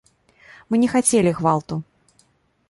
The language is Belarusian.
Мы не хацелі гвалту.